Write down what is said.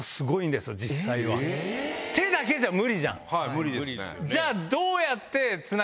無理ですね。